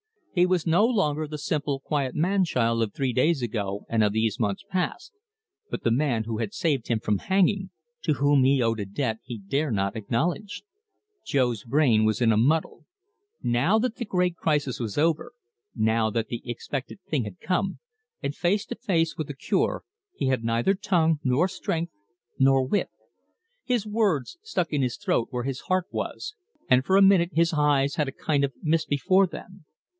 He was no longer the simple, quiet man child of three days ago, and of these months past, but the man who had saved him from hanging, to whom he owed a debt he dare not acknowledge. Jo's brain was in a muddle. Now that the great crisis was over, now that the expected thing had come, and face to face with the cure, he had neither tongue, nor strength, nor wit. His words stuck in his throat where his heart was, and for a minute his eyes had a kind of mist before them.